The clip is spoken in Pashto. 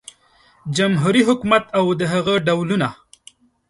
جمهوري حکومت او د هغه ډولونه